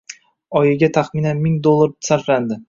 Oyiga taxminan ming dollar sarflandi.